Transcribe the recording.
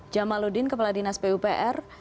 jamaludin kepala dinas pupr